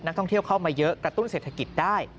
ท่องเที่ยวเข้ามาเยอะกระตุ้นเศรษฐกิจได้